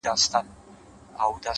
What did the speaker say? • شمېر به یې ډېر کم وو ,